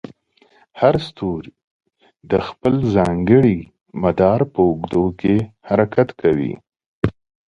هر ستوری د خپل ځانګړي مدار په اوږدو کې حرکت کوي.